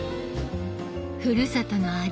ふるさとの味